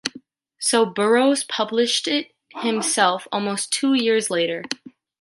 So Burroughs published it himself almost two years later.